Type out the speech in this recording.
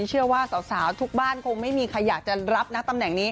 เชื่อว่าสาวทุกบ้านคงไม่มีใครอยากจะรับนะตำแหน่งนี้